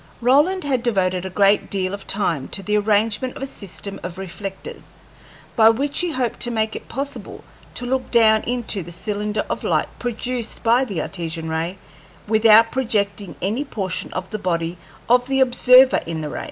Roland had devoted a great deal of time to the arrangement of a system of reflectors, by which he hoped to make it possible to look down into the cylinder of light produced by the Artesian ray without projecting any portion of the body of the observer into the ray.